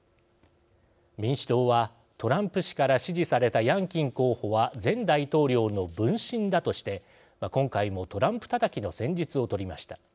民主党はトランプ氏から支持されたヤンキン候補は前大統領の分身だとして今回もトランプたたきの戦術をとりました。